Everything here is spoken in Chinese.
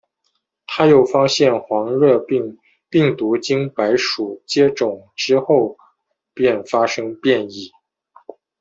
他又发现黄热病病毒经白鼠接种之后便发生变异。